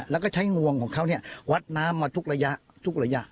แล้วก็ใช้งวงของเขาวัดน้ำมาทุกระยะ